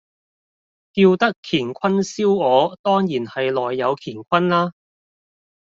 叫得乾坤燒鵝，當然係內有乾坤啦